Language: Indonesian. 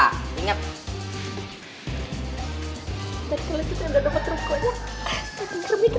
dari kali kita udah dapat rumpukannya